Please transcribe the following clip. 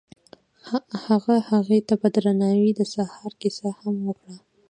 هغه هغې ته په درناوي د سهار کیسه هم وکړه.